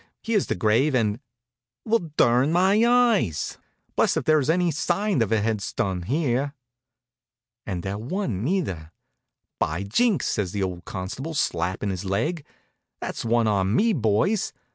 Here's the grave and well, durn my eyes! Blessed if there's any sign of a headstun here!" And there wa'n't, either. "By jinks!" says the old constable, slappin' his leg. "That's one on me, boys.